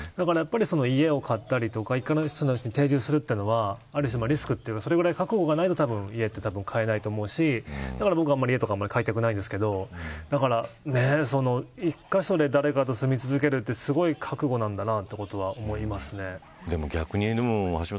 だから家を買ったりとか定住するというのはある種リスクというかそれぐらい覚悟がないと家とか買えないと思うしだから僕は家とかあんまり買いたくないんですけど１カ所で誰かと住み続けるってすごい覚悟なんだなと思います。